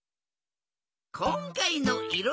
こんかいのいろ